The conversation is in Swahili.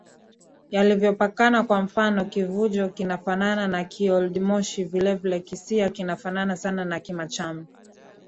yalivyopakana Kwa mfano Kivunjo kinafanana na Kioldimoshi Vile vile Kisiha kinafanana sana na Kimachame